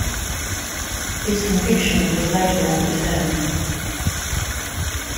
His conviction was later overturned.